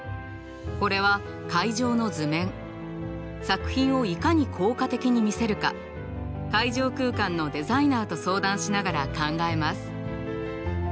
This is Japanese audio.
作品をいかに効果的に見せるか会場空間のデザイナーと相談しながら考えます。